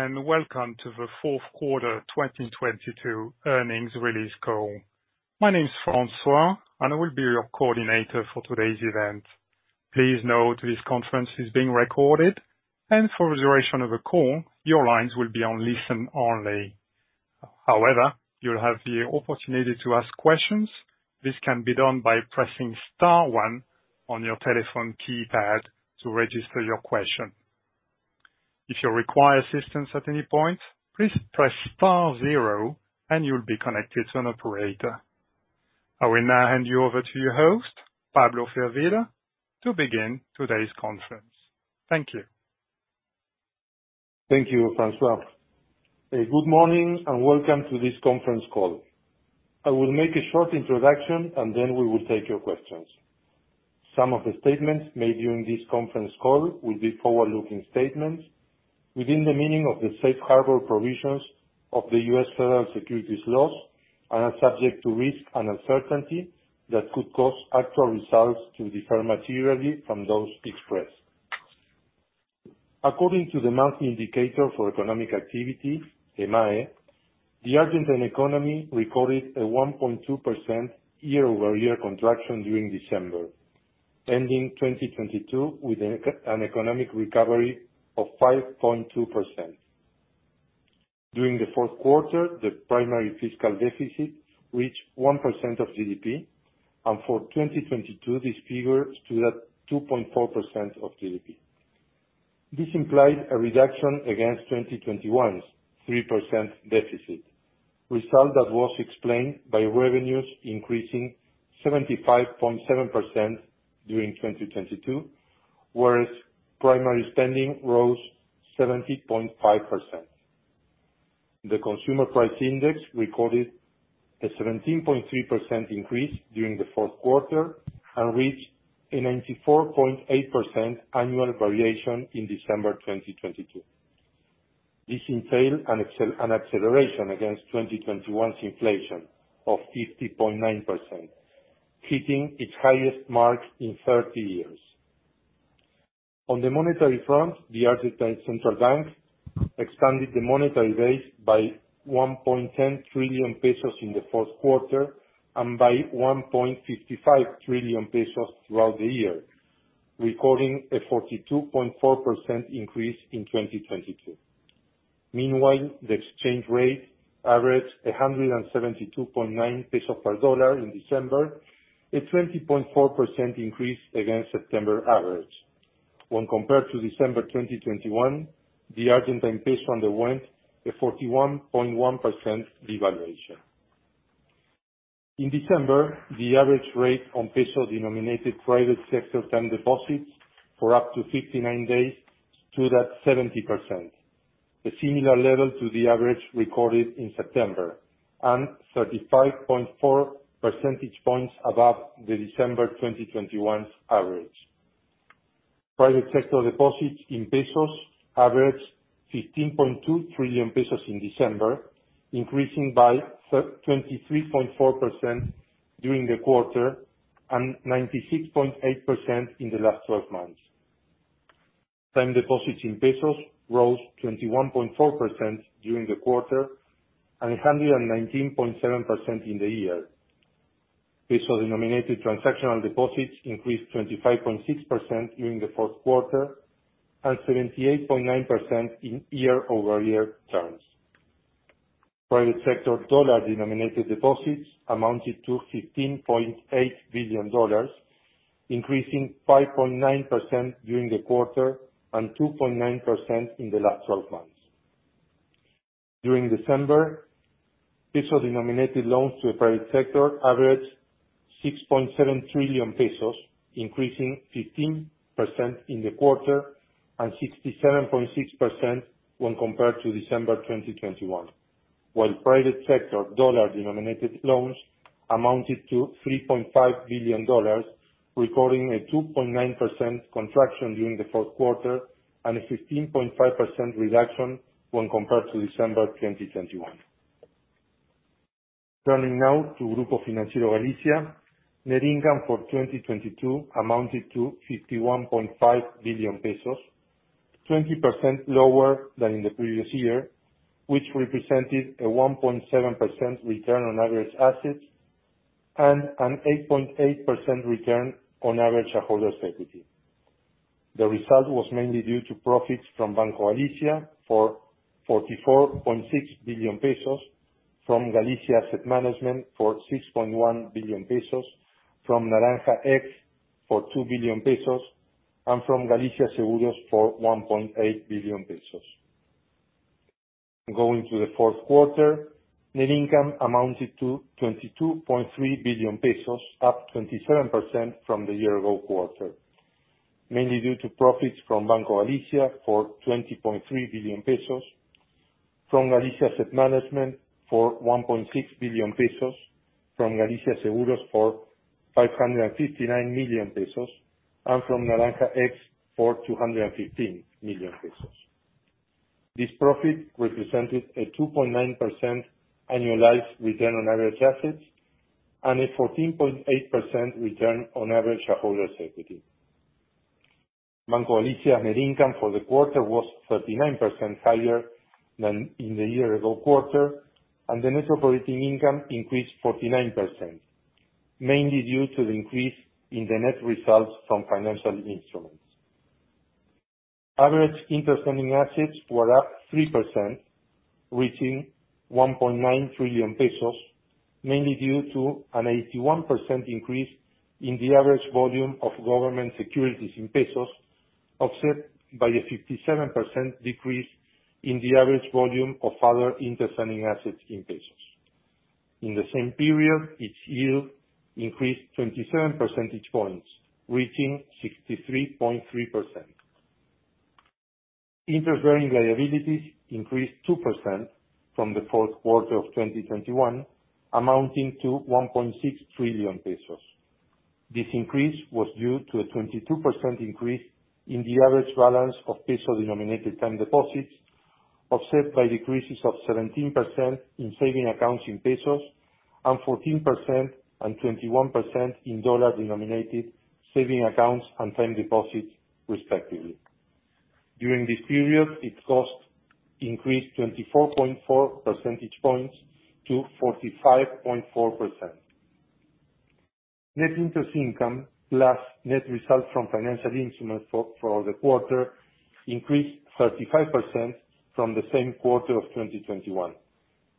Hello, welcome to the Fourth Quarter 2022 Earnings Release Call. My name's Francois, and I will be your coordinator for today's event. Please note this conference is being recorded, and for the duration of the call, your lines will be on listen only. However, you'll have the opportunity to ask questions. This can be done by pressing star one on your telephone keypad to register your question. If you require assistance at any point, please press star zero and you'll be connected to an operator. I will now hand you over to your host, Pablo Firvida, to begin today's conference. Thank you. Thank you, Francois. Good morning and welcome to this conference call. I will make a short introduction, and then we will take your questions. Some of the statements made during this conference call will be forward-looking statements within the meaning of the safe harbor provisions of the U.S. Federal Securities laws, and are subject to risk and uncertainty that could cause actual results to differ materially from those expressed. According to the Monthly Estimator of Economic Activity, EMAE, the Argentine economy recorded a 1.2% year-over-year contraction during December, ending 2022 with an economic recovery of 5.2%. During the Q4, the primary fiscal deficit reached 1% of GDP, and for 2022, this figure stood at 2.4% of GDP. This implied a reduction against 2021's 3% deficit, result that was explained by revenues increasing 75.7% during 2022, whereas primary spending rose 70.5%. The Consumer Price Index recorded a 17.3% increase during the Q4 and reached a 94.8% annual variation in December 2022. This entailed an acceleration against 2021's inflation of 50.9%, hitting its highest mark in 30 years. On the monetary front, the Argentine Central Bank expanded the monetary base by 1.10 trillion pesos in the Q4 and by 1.55 trillion pesos throughout the year, recording a 42.4% increase in 2022. Meanwhile, the exchange rate averaged 172.9 pesos per dollar in December, a 20.4% increase against September average. When compared to December 2021, the Argentine peso underwent a 41.1% devaluation. In December, the average rate on peso-denominated private sector time deposits for up to 59 days stood at 70%, a similar level to the average recorded in September and 35.4 percentage points above the December 2021's average. Private sector deposits in pesos averaged 15.2 trillion pesos in December, increasing by 23.4% during the quarter and 96.8% in the last 12 months. Time deposits in pesos rose 21.4% during the quarter and 119.7% in the year. Peso-denominated transactional deposits increased 25.6% during the Q4 and 78.9% in year-over-year terms. Private sector dollar-denominated deposits amounted to $15.8 billion, increasing 5.9% during the quarter and 2.9% in the last 12 months. During December, peso-denominated loans to the private sector averaged 6.7 trillion pesos, increasing 15% in the quarter and 67.6% when compared to December 2021. Private sector dollar-denominated loans amounted to $3.5 billion, recording a 2.9% contraction during the Q4 and a 15.5% reduction when compared to December 2021. Turning now to Grupo Financiero Galicia. Net income for 2022 amounted to 51.5 billion pesos, 20% lower than in the previous year, which represented a 1.7% return on average assets and an 8.8% return on average shareholders' equity. The result was mainly due to profits from Banco Galicia for 44.6 billion pesos, from Galicia Asset Management for 6.1 billion pesos, from Naranja X for 2 billion pesos, and from Galicia Seguros for 1.8 billion pesos. Going to the Q4, net income amounted to 22.3 billion pesos, up 27% from the year-ago quarter, mainly due to profits from Banco Galicia for 20.3 billion pesos, from Galicia Asset Management for 1.6 billion pesos, from Galicia Seguros for 559 million pesos, and from Naranja X for 215 million pesos. This profit represented a 2.9% annualized return on average assets, and a 14.8% return on average shareholders' equity. Banco Galicia net income for the quarter was 39% higher than in the year-ago quarter, and the net operating income increased 49%, mainly due to the increase in the net results from financial instruments. Average interest earning assets were up 3%, reaching 1.9 trillion pesos, mainly due to an 81% increase in the average volume of government securities in pesos, offset by a 57% decrease in the average volume of other interest earning assets in pesos. In the same period, its yield increased 27 percentage points, reaching 63.3%. Interest-bearing liabilities increased 2% from the Q4 of 2021, amounting to 1.6 trillion pesos. This increase was due to a 22% increase in the average balance of peso-denominated time deposits, offset by decreases of 17% in saving accounts in pesos, and 14% and 21% in dollar-denominated saving accounts and time deposits, respectively. During this period, its cost increased 24.4 percentage points to 45.4%. Net interest income plus net results from financial instruments for the quarter increased 35% from the same quarter of 2021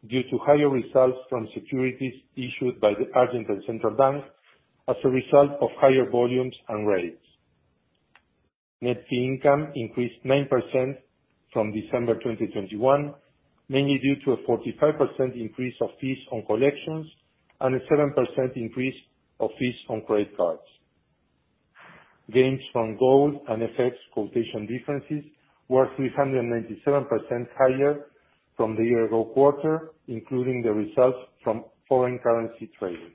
due to higher results from securities issued by the Argentine Central Bank as a result of higher volumes and rates. Net fee income increased 9% from December 2021, mainly due to a 45% increase of fees on collections and a 7% increase of fees on credit cards. Gains from gold and effects quotation differences were 397% higher from the year ago quarter, including the results from foreign currency trading.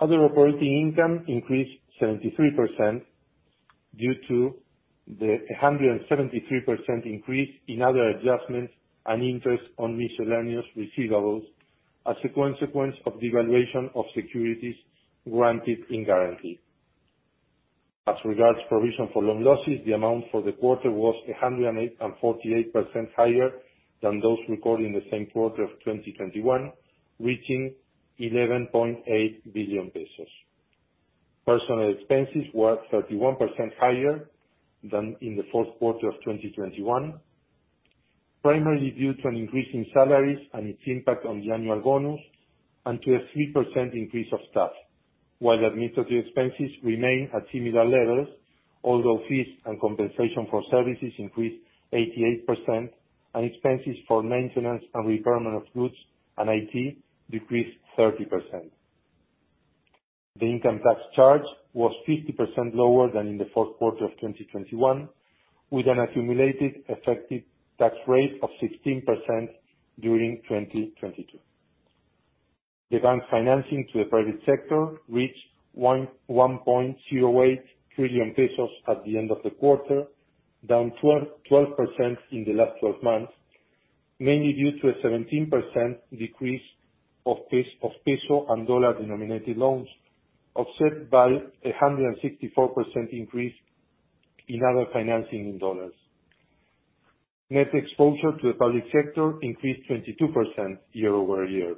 Other operating income increased 73% due to the 173% increase in other adjustments and interest on miscellaneous receivables as a consequence of devaluation of securities granted in guarantee. As regards provision for loan losses, the amount for the quarter was 108.48% higher than those recorded in the same quarter of 2021, reaching 11.8 billion pesos. Personnel expenses were 31% higher than in the Q4 of 2021, primarily due to an increase in salaries and its impact on the annual bonus, and to a 3% increase of staff. While administrative expenses remain at similar levels, although fees and compensation for services increased 88%. Expenses for maintenance and repair of goods and IT decreased 30%. The income tax charge was 50% lower than in the Q4 of 2021, with an accumulated effective tax rate of 16% during 2022. The bank financing to the private sector reached 1.08 trillion pesos at the end of the quarter, down 12% in the last 12 months, mainly due to a 17% decrease of peso and dollar-denominated loans, offset by a 164% increase in other financing in dollar. Net exposure to the public sector increased 22% year-over-year.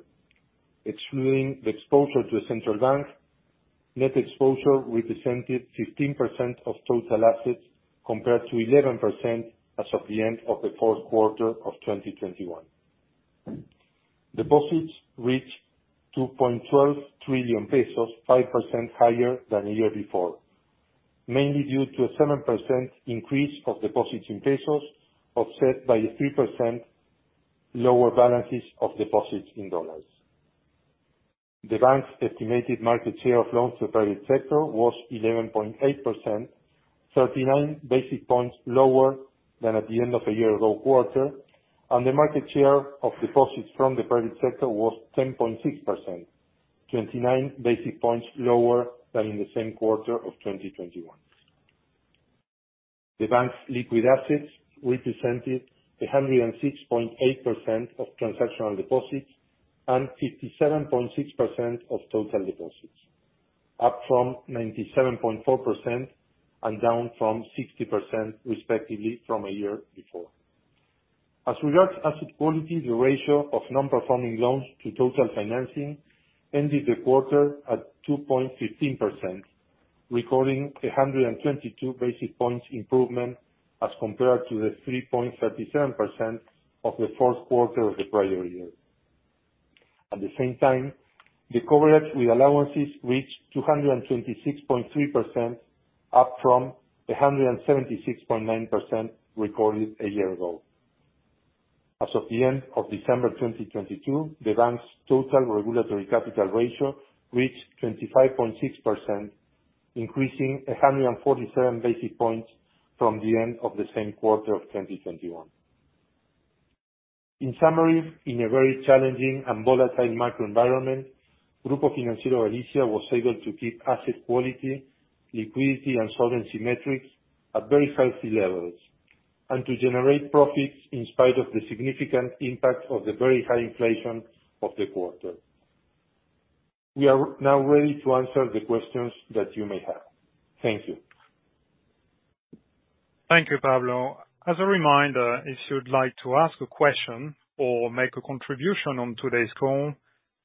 Excluding the exposure to the central bank, net exposure represented 15% of total assets, compared to 11% as of the end of the Q4 of 2021. Deposits reached 2.12 trillion pesos, 5% higher than a year before, mainly due to a 7% increase of deposits in ARS, offset by a 3% lower balances of deposits in dollars. The bank's estimated market share of loans to the private sector was 11.8%, 39 basis points lower than at the end of the year ago quarter. The market share of deposits from the private sector was 10.6%, 29 basis points lower than in the same quarter of 2021. The bank's liquid assets represented 106.8% of transactional deposits and 57.6% of total deposits. Up from 97.4% and down from 60% respectively from a year before. As regards asset quality, the ratio of non-performing loans to total financing ended the quarter at 2.15%, recording 122 basis points improvement as compared to the 3.37% of the Q4 of the prior year. At the same time, the coverage with allowances reached 226.3%, up from 176.9% recorded a year ago. As of the end of December 2022, the bank's total regulatory capital ratio reached 25.6%, increasing 147 basis points from the end of the same quarter of 2021. In summary, in a very challenging and volatile macro environment, Grupo Financiero Galicia was able to keep asset quality, liquidity, and solvency metrics at very healthy levels. To generate profits in spite of the significant impact of the very high inflation of the quarter. We are now ready to answer the questions that you may have. Thank you. Thank you, Pablo. As a reminder, if you'd like to ask a question or make a contribution on today's call,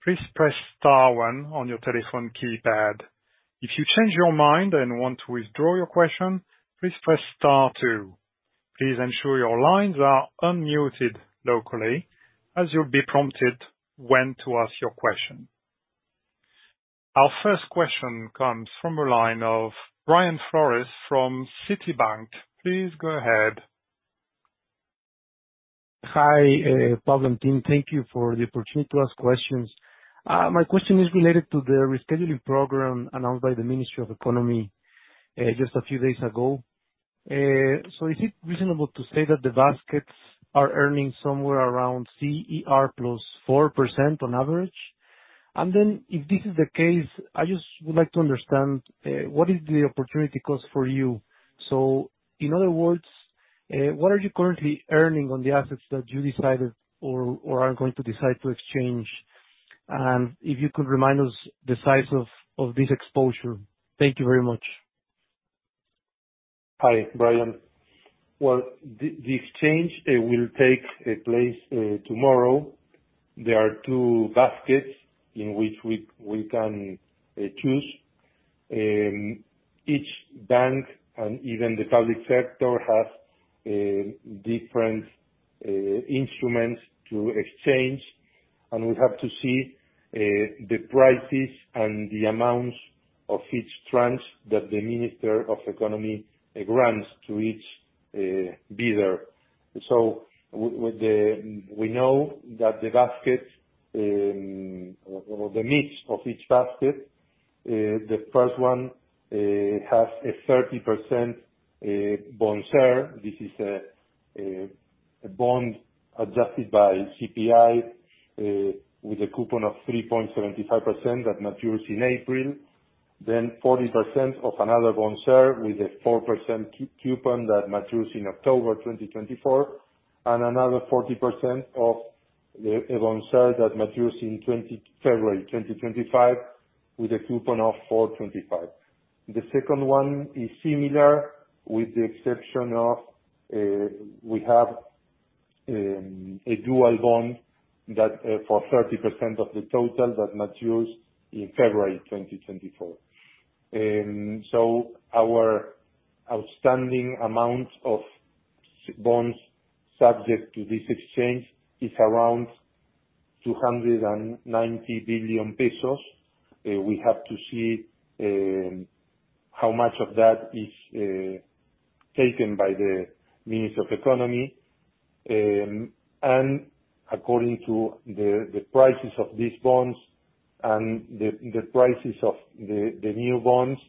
please press star one on your telephone keypad. If you change your mind and want to withdraw your question, please press star two. Please ensure your lines are unmuted locally as you'll be prompted when to ask your question. Our first question comes from the line of Brian Flores from Citi. Please go ahead. Hi, Pablo and team. Thank you for the opportunity to ask questions. My question is related to the rescheduling program announced by the Ministry of Economy just a few days ago. Is it reasonable to say that the baskets are earning somewhere around CER plus 4% on average? If this is the case, I just would like to understand what is the opportunity cost for you? In other words, what are you currently earning on the assets that you decided or are going to decide to exchange? If you could remind us the size of this exposure. Thank you very much. Hi, Brian. Well, the exchange will take place tomorrow. There are two baskets in which we can choose. Each bank and even the public sector has different instruments to exchange. We have to see the prices and the amounts of each tranche that the Minister of Economy grants to each bidder. We know that the basket or the mix of each basket, the first one, has a 30% Boncer. This is a bond adjusted by CPI, with a coupon of 3.75% that matures in April. 40% of another Boncer with a 4% coupon that matures in October 2024, and another 40% of the Boncer that matures in February 2025 with a coupon of 4.25%. The second one is similar, with the exception of, we have a dual bond that, for 30% of the total, that matures in February 2024. Our outstanding amount of bonds subject to this exchange is around 290 billion pesos. We have to see how much of that is taken by the Minister of Economy. According to the prices of these bonds and the prices of the new bonds,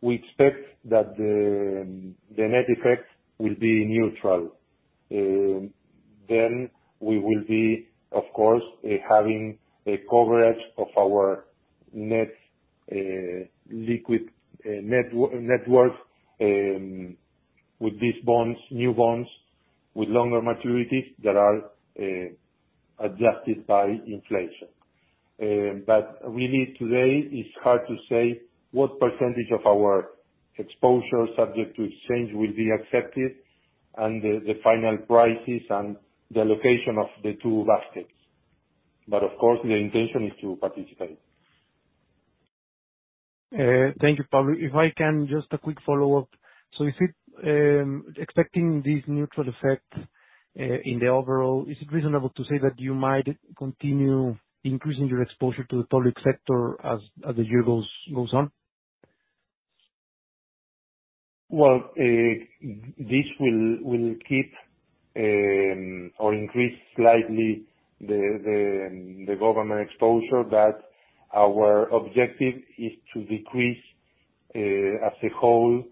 we expect that the net effect will be neutral. We will be, of course, having a coverage of our net liquid net worth with these bonds, new bonds, with longer maturities that are adjusted by inflation. Really today it's hard to say what percentage of our exposure subject to exchange will be accepted and the final prices and the allocation of the two baskets. Of course, the intention is to participate. Thank you, Pablo. If I can, just a quick follow-up. Is it expecting this neutral effect in the overall, is it reasonable to say that you might continue increasing your exposure to the public sector as the year goes on? Well, this will keep, or increase slightly the government exposure. Our objective is to decrease, as a whole,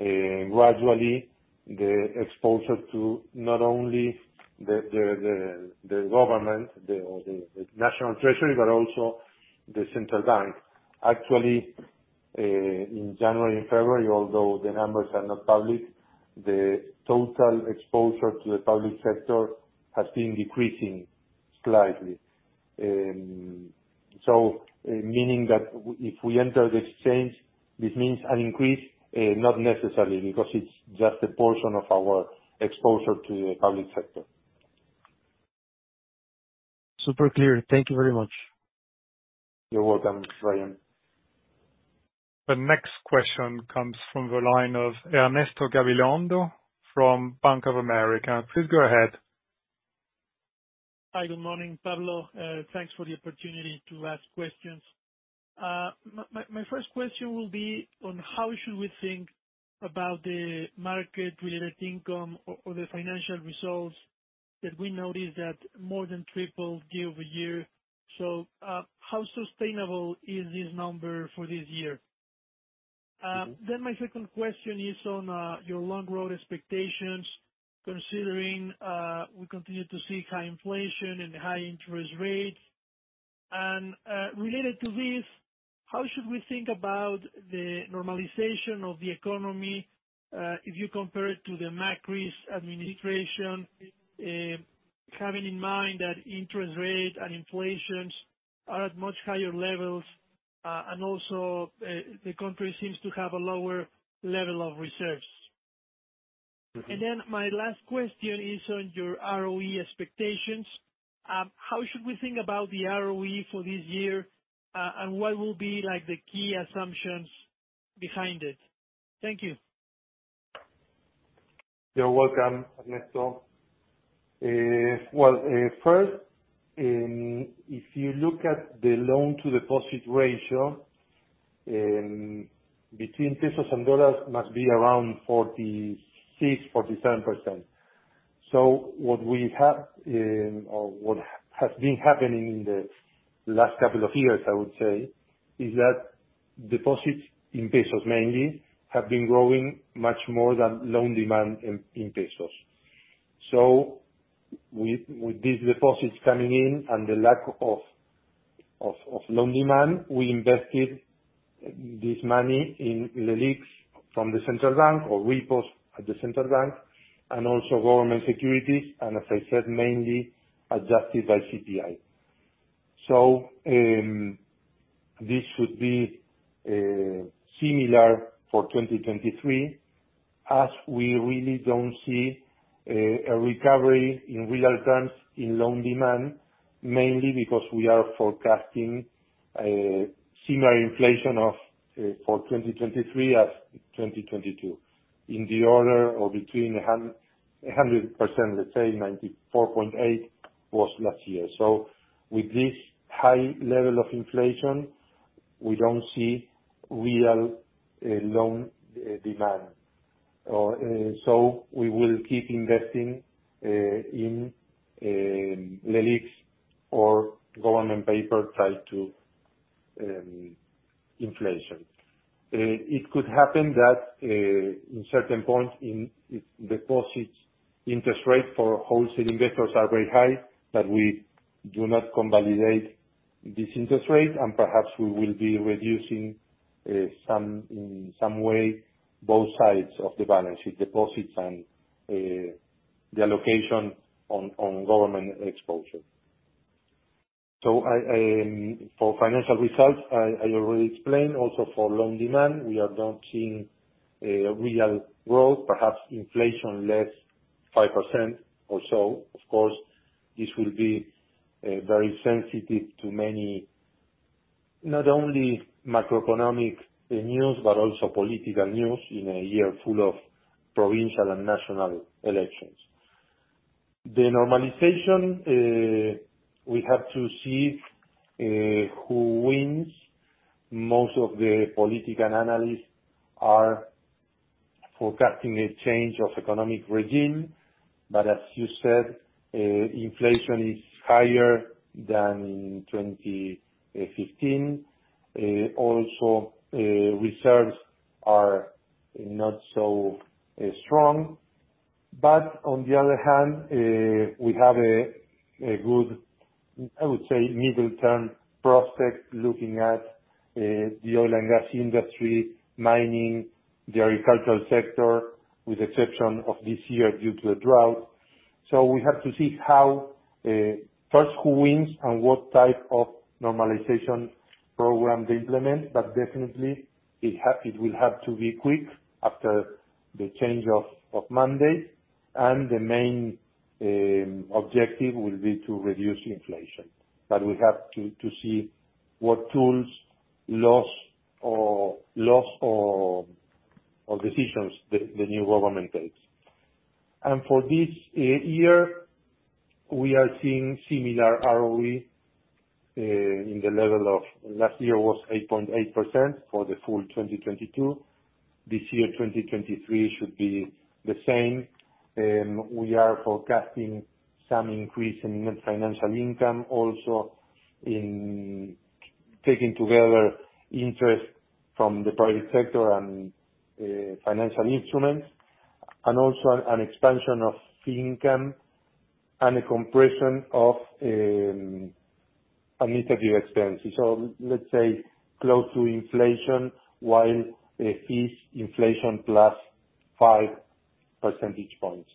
gradually the exposure to not only the government, the National Treasury, but also the Central Bank. Actually, in January and February, although the numbers are not public, the total exposure to the public sector has been decreasing slightly. Meaning that if we enter the exchange, this means an increase? Not necessarily, because it's just a portion of our exposure to the public sector. Super clear. Thank you very much. You're welcome, Brian. The next question comes from the line of Ernesto Gabilondo from Bank of America. Please go ahead. Hi. Good morning, Pablo. Thanks for the opportunity to ask questions. My first question will be on how should we think about the market related income or the financial results that we noticed that more than tripled year-over-year. How sustainable is this number for this year? My second question is on your long-run expectations, considering we continue to see high inflation and high interest rates. Related to this, how should we think about the normalization of the economy, if you compare it to the Macri's administration, having in mind that interest rate and inflations are at much higher levels, and also the country seems to have a lower level of reserves. My last question is on your ROE expectations. How should we think about the ROE for this year, and what will be, like, the key assumptions behind it? Thank you. You're welcome, Ernesto. Well, first, if you look at the loan to deposit ratio between pesos and dollars, must be around 46%-47%. What we have, or what has been happening in the last couple of years, I would say, is that deposits, in pesos mainly, have been growing much more than loan demand in pesos. With these deposits coming in and the lack of loan demand, we invested this money in the LELIQs from the Central Bank, or repos at the Central Bank, and also government securities, and as I said, mainly adjusted by CPI. This should be similar for 2023, as we really don't see a recovery in real terms in loan demand, mainly because we are forecasting a similar inflation for 2023 as 2022, in the order or between 100%, let's say, 94.8% was last year. With this high level of inflation, we don't see real loan demand. We will keep investing in LELIQs or government paper tied to inflation. It could happen that in certain points in deposits, interest rates for wholesale investors are very high, but we do not convalidate this interest rate, and perhaps we will be reducing some, in some way, both sides of the balance sheet deposits and the allocation on government exposure. I- for financial results, I already explained also for loan demand, we are not seeing a real growth, perhaps inflation less 5% or so. Of course, this will be very sensitive to many, not only macroeconomic news, but also political news in a year full of provincial and national elections. The normalization, we have to see, who wins. Most of the political analysts are forecasting a change of economic regime, but as you said, inflation is higher than in 2015. Also, reserves are not so strong. On the other hand, we have a good, I would say, middle term prospect looking at the oil and gas industry, mining, the agricultural sector, with exception of this year due to the drought. We have to see how first who wins and what type of normalization program they implement. Definitely it will have to be quick after the change of mandate, and the main objective will be to reduce inflation. We have to see what tools, laws or decisions the new government takes. For this year, we are seeing similar ROE in the level of last year was 8.8% for the full 2022. This year, 2023, should be the same. We are forecasting some increase in net financial income also in taking together interest from the private sector and financial instruments, and also an expansion of fee income and a compression of administrative expenses. Let's say close to inflation while fees inflation plus 5% points.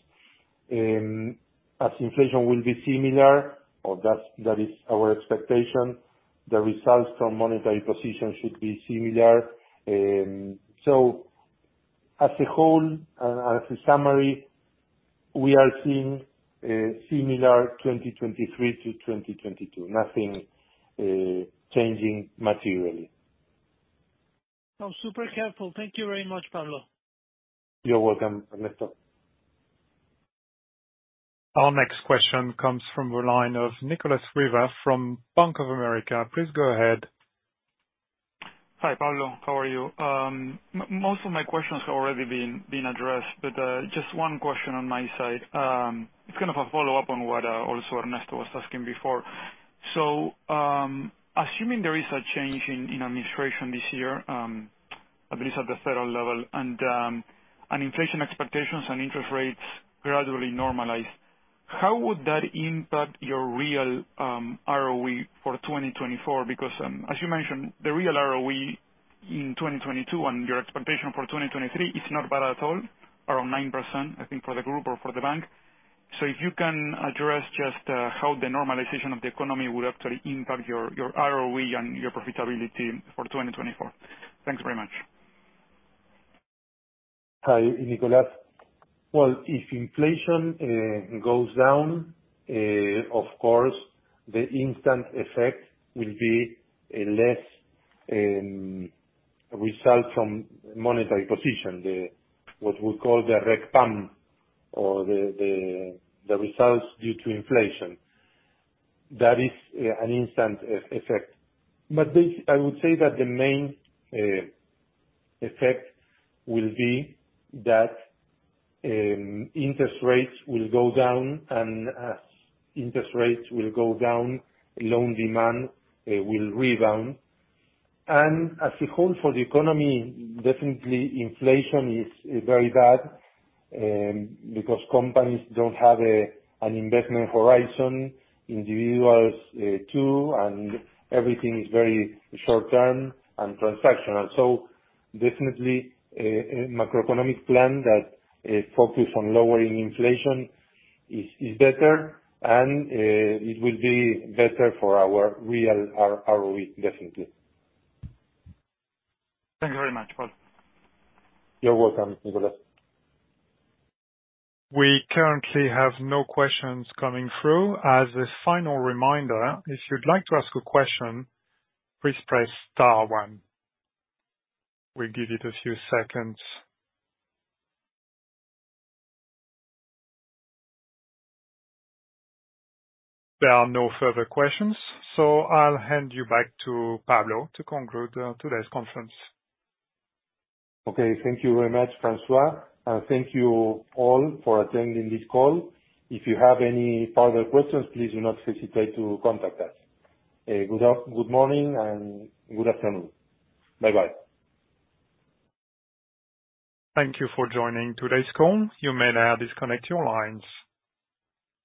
As inflation will be similar or that is our expectation, the results from monetary position should be similar. As a whole and as a summary, we are seeing a similar 2023 to 2022. Nothing changing materially. I'm super careful. Thank you very much, Pablo. You're welcome, Ernesto. Our next question comes from the line of Nicolas Riva from Bank of America. Please go ahead. Hi, Pablo. How are you? Most of my questions have already been addressed, but just one question on my side. It's kind of a follow-up on what also Ernesto was asking before. Assuming there is a change in administration this year, at least at the federal level, and inflation expectations and interest rates gradually normalize. How would that impact your real ROE for 2024? Because as you mentioned, the real ROE in 2022 and your expectation for 2023 is not bad at all, around 9%, I think, for the group or for the bank. If you can address just how the normalization of the economy would actually impact your ROE and your profitability for 2024. Thank you very much. Hi, Nicolas. If inflation goes down, of course, the instant effect will be a less result from monetary position, what we call the results due to inflation. That is an instant effect. I would say that the main effect will be that interest rates will go down. As interest rates will go down, loan demand will rebound. As a whole for the economy, definitely inflation is very bad because companies don't have an investment horizon, individuals too, and everything is very short term and transactional. Definitely a macroeconomic plan that focus on lowering inflation is better and it will be better for our real ROE, definitely. Thank you very much for this. You're welcome, Nicolas. We currently have no questions coming through. As a final reminder, if you'd like to ask a question, please press star one. We'll give it a few seconds. There are no further questions. I'll hand you back to Pablo to conclude today's conference. Okay. Thank you very much, Francois. Thank you all for attending this call. If you have any further questions, please do not hesitate to contact us. Good morning and good afternoon. Bye-bye. Thank you for joining today's call. You may now disconnect your lines.